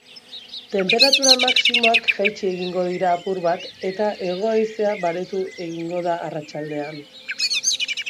Tenperatura maximoak jaitsi egingo dira apur bat eta hego-haizea baretu egingo da arratsaldean.